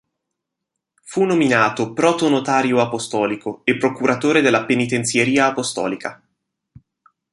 Fu nominato protonotario apostolico e procuratore della penitenzieria apostolica.